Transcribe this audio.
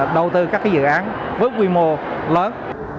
đầu tư các dự án với quy mô lớn